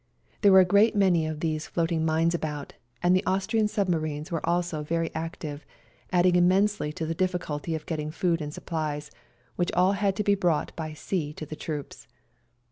There were a great many of these floating mines about, and the Austrian submarines were also very active, adding immensely to the difficulty of getting food and supplies, which all had to be brought by sea to the troops.